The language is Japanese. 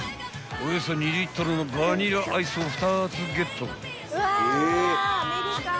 およそ２リットルのバニラアイスを２つゲット］